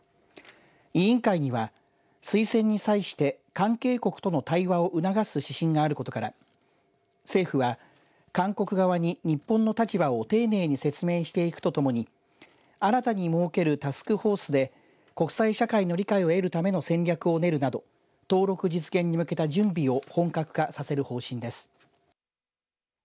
委員会には推薦に際して関係国との対話を促す指針があることから政府は、韓国側に日本の立場を丁寧に説明していくとともに新たに設けるタスクフォースで国際社会の理解を得るための戦略を練るなど登録実現に向けた準備を本格化させる方針です。